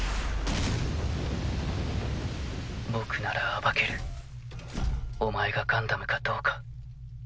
僕なら暴けるお前がガンダムかどうか。